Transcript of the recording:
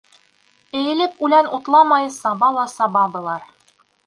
Эйелеп үлән утламай саба ла саба былар.